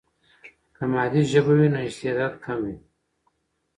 که مادي ژبه وي، نو استعداد کم وي.